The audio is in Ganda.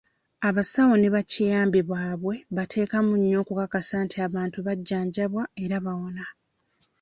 Abasawo ne ba kiyambi baabwe bateekamu nnyo okukakasa nti abantu bajjanjabwa era bawona.